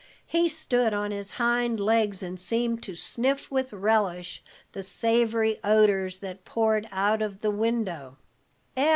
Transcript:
He stood on his hind legs, and seemed to sniff with relish the savory odors that poured out of the window.